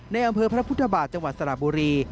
ในอำเภอพระพุทธบาทจังหวัดสระบุรี